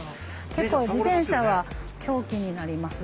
結構自転車は凶器になります。